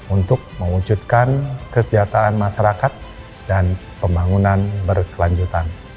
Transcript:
untuk mewujudkan kesejahteraan masyarakat dan pembangunan berkelanjutan